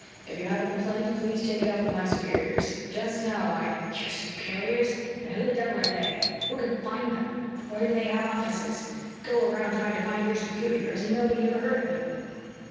"If you have a complaint, please take it up with my superiors. Just now I " "Your superiors? And who the devil are they? Who can find them? Where do they have offices? Go around trying to find your superiors and nobody ever heard of you."